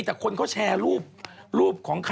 จากธนาคารกรุงเทพฯ